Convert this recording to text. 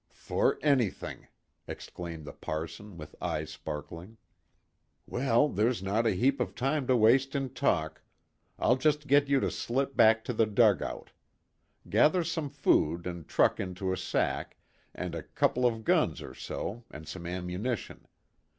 "For anything!" exclaimed the parson with eyes sparkling. "Well, there's not a heap of time to waste in talk. I'll just get you to slip back to the dugout. Gather some food and truck into a sack, and a couple of guns or so, and some ammunition.